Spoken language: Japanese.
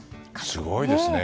すごいですね。